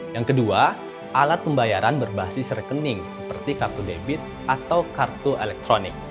yang kedua alat pembayaran berbasis rekening seperti kartu debit atau kartu elektronik